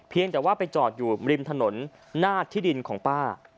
แต่ว่าไปจอดอยู่ริมถนนหน้าที่ดินของป้า